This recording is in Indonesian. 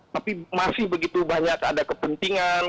tapi masih begitu banyak ada kepentingan